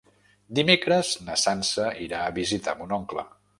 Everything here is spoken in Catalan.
Dimecres na Sança irà a visitar mon oncle.